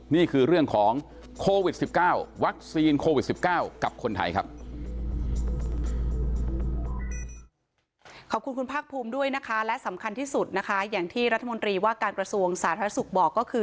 นี่คือเรื่องของโควิด๑๙วัคซีนโควิด๑๙กับคนไทยครับ